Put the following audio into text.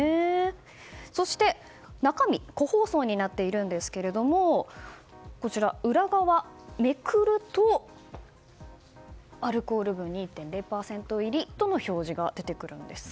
そして中身は個包装になっているんですが裏側、めくるとアルコール分２．０％入りとの表示が出てくるんです。